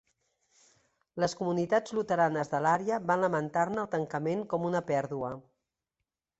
Les comunitats luteranes de l'àrea van lamentar-ne el tancament com una pèrdua.